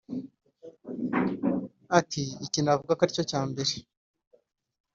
Ati “Iki navuga ko ari cyo cya mbere